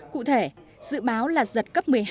cụ thể dự báo là giật cấp một mươi hai